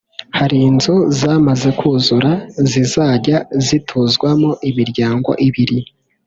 Hari inzu zamaze kuzura zizajya zituzwamo imiryango ibiri